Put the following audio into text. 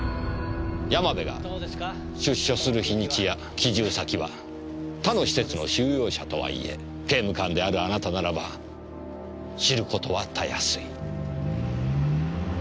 山部が出所する日にちや帰住先は他の施設の収容者とはいえ刑務官であるあなたならば知ることはたやすい。